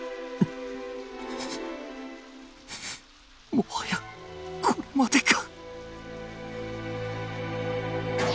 もはやこれまでか。